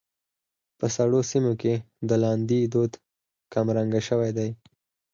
په سړو سيمو کې د لاندي دود کمرنګه شوى دى.